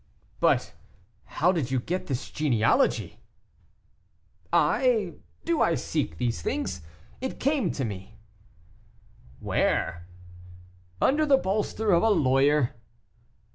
"But how did you get this genealogy?" "I! Do I seek these things? It came to seek me." "Where?" "Under the bolster of a lawyer."